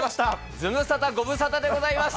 ズムサタ、ご無沙汰でございます。